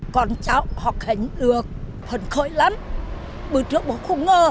con cháu học hành được phần khói lắm bữa trước bố không ngờ